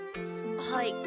はい。